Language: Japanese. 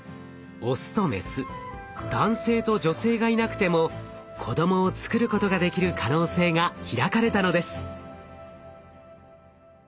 オスとメス男性と女性がいなくても子どもをつくることができる可能性が開かれたのです。